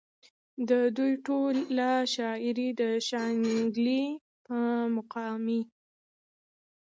د دوي ټوله شاعري د شانګلې پۀ مقامي